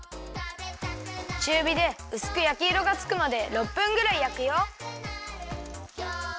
ちゅうびでうすくやきいろがつくまで６分ぐらいやくよ。